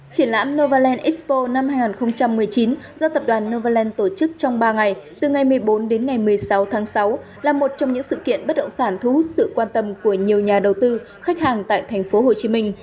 triển lãm novaland expo năm hai nghìn một mươi chín do tập đoàn novaland tổ chức trong ba ngày từ ngày một mươi bốn đến ngày một mươi sáu tháng sáu là một trong những sự kiện bất động sản thu hút sự quan tâm của nhiều nhà đầu tư khách hàng tại thành phố hồ chí minh